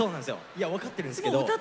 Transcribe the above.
いや分かってるんですけど。